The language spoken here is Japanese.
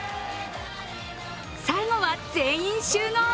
最後は全員集合。